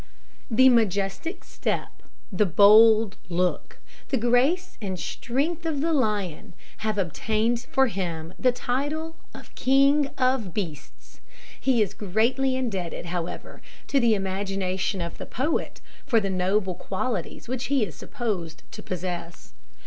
The majestic step, the bold look, the grace and strength of the lion, have obtained for him the title of "king of beasts." He is greatly indebted, however, to the imagination of the poet for the noble qualities which he is supposed to possess.